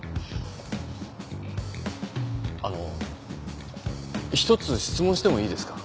あの１つ質問してもいいですか？